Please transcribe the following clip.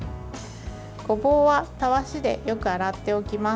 ごぼうはたわしでよく洗っておきます。